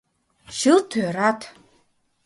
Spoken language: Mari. Чылт ӧрат!